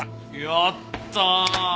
やったー！